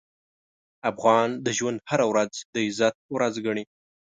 افغان د ژوند هره ورځ د عزت ورځ ګڼي.